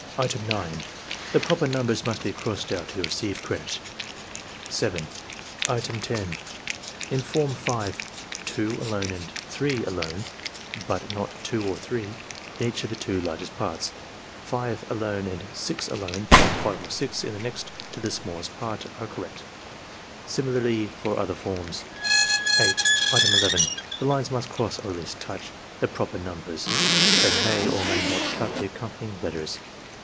Item 9. — ^The proper niunbers must be crossed out to receive credit. 7. Item 10, — In Form 5, "2" aJone and "3" alone, but not "2 or 3," in each of the two largest parts; "5" alone and "6" alone, but not "5 or 6," in the next to the smallest part, are correct. Similarly for other forms. 8. Item 11, — ^The lines must cross, or at least touch, the proper numbers; they may or may not cut the accompanying letters.